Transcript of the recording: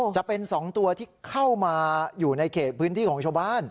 จะเป็น๒ตัวที่เข้ามาอยู่ในเขตพื้นที่ของชาวบ้าน